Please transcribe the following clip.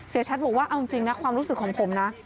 ชัดบอกว่าเอาจริงนะความรู้สึกของผมนะ